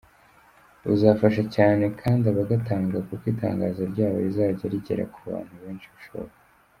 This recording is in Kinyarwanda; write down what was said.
Buzafasha cyane kandi abagatanga kuko itangazo ryabo rizajya rigera ku bantu benshi bashoboka.